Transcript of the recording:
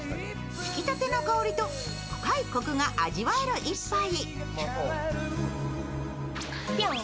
ひきたての香りと深いコクが味わえる１杯。